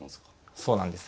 そうなんです。